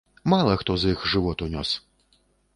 Мала хто з іх жывот унёс.